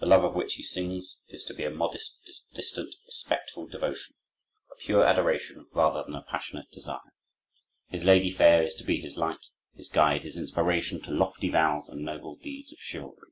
The love of which he sings is to be a modest, distant, respectful devotion, a pure adoration rather than a passionate desire. His lady fair is to be his light, his guide, his inspiration to lofty vows and noble deeds of chivalry.